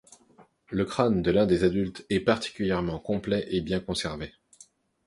Le crâne de l'un des adultes est particulièrement complet et bien conservé.